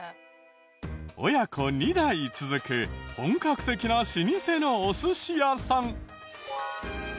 親子２代続く本格的な老舗のお寿司屋さん。